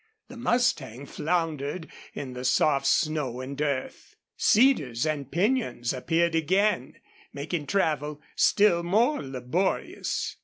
The mustang floundered in the soft snow and earth. Cedars and pinyons appeared again, making travel still more laborious.